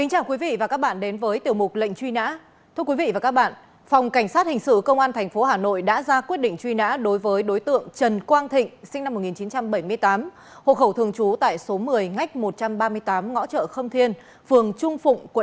hãy đăng ký kênh để ủng hộ kênh của chúng mình nhé